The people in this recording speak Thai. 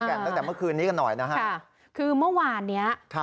ตั้งแต่เมื่อคืนนี้กันหน่อยนะฮะค่ะคือเมื่อวานเนี้ยครับ